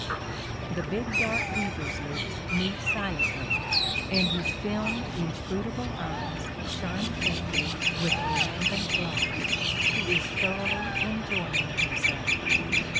The big dark weaver's lips move silently, and his filmed inscrutable eyes shine faintly with a lambent light : he is thoroughly enjoying himself.